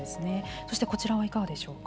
そして、こちらはいかがでしょうか。